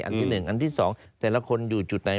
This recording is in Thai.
อันที่๑อันที่๒แต่ละคนอยู่จุดไหน